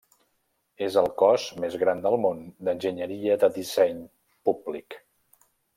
És el cos més gran del món d'enginyeria de disseny públic.